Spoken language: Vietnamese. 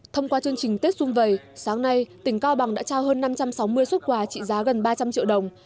thông qua chương trình tết dung vầy sáng nay tỉnh cao bằng đã trao hơn năm trăm sáu mươi xuất quà trị giá gần ba trăm linh triệu đồng